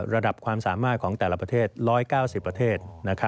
ระดับความสามารถของแต่ละประเทศ๑๙๐ประเทศ